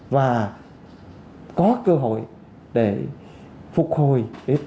và có cơ hội để phục hồi